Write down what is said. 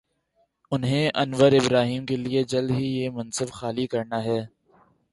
انہیں Anwar Ibrahim کے لیے جلد ہی یہ منصب خالی کر نا ہے۔